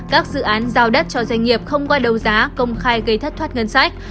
các dự án giao đất cho doanh nghiệp không qua đầu giá công khai gây thất thoát ngân sách